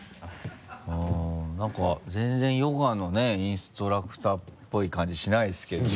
うん何か全然ヨガのねインストラクターっぽい感じしないですけど。